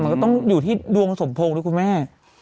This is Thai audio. มันก็ต้องอยู่ที่ดวงสมพงษ์ด้วยคุณแม่